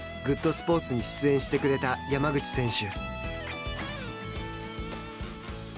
スポーツに出演してくれた山口選手。